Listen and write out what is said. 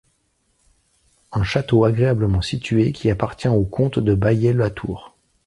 Un château agréablement situé, qui appartient au comte de Baillet-Latour.